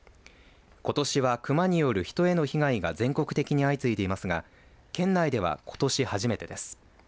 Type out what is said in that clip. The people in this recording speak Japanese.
ことしはクマによる人への被害が全国的に相次いでいますが県内ではことし初めてです。